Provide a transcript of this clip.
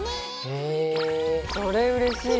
へえそれうれしいね。